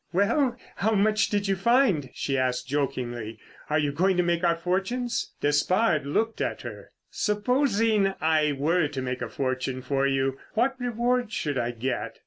"Well, how much tin did you find?" she asked jokingly. "Are you going to make our fortunes?" Despard looked at her. "Supposing I were to make a fortune for you, what reward should I get?"